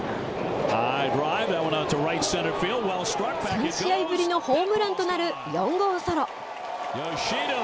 ３試合ぶりのホームランとなる４号ソロ。